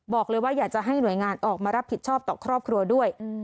บอกเลยว่าอยากจะให้หน่วยงานออกมารับผิดชอบต่อครอบครัวด้วย